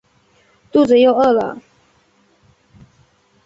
肚子又饿了